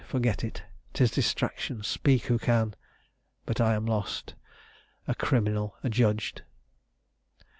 Forget it; 'tis distraction: speak who can! But I am lost! a criminal adjudged!"